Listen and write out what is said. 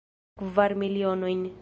Kvar milionojn.